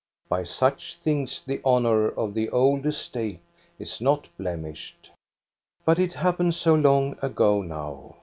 By such things the honor of the old estate is not blemished. But it happened so long ago now.